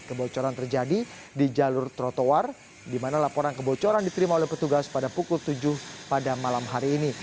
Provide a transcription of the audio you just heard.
kebocoran terjadi di jalur trotoar di mana laporan kebocoran diterima oleh petugas pada pukul tujuh pada malam hari ini